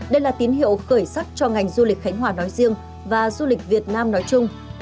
đây là tín hiệu khởi sắc cho ngành du lịch khánh hòa nói riêng và du lịch việt nam nói chung